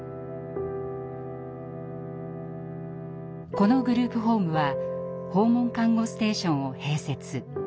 このグループホームは訪問看護ステーションを併設。